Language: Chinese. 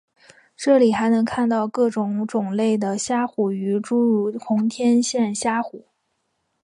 这里还能看到各种种类的虾虎鱼诸如红天线虾虎。